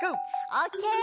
オッケー！